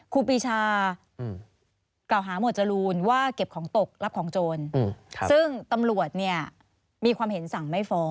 ครูปีชากล่าวหาหมวดจรูนว่าเก็บของตกรับของโจรซึ่งตำรวจเนี่ยมีความเห็นสั่งไม่ฟ้อง